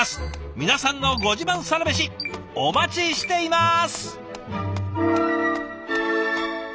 皆さんのご自慢サラメシお待ちしています！